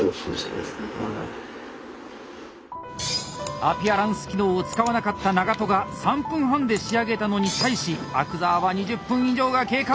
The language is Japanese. アピアランス機能を使わなかった長渡が３分半で仕上げたのに対し阿久澤は２０分以上が経過！